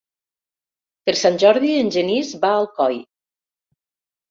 Per Sant Jordi en Genís va a Alcoi.